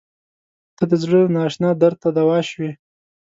• ته د زړه نااشنا درد ته دوا شوې.